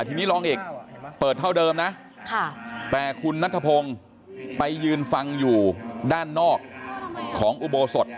ทีนี้ลองอีกเปิดเท่าเดิมนะแต่คุณนัทพงศ์ไปยืนฟังอยู่ด้านนอกของอุโบสถ